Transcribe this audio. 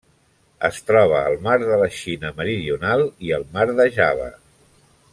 Es troba al Mar de la Xina Meridional i el Mar de Java.